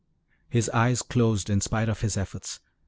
His eyes closed in spite of his efforts.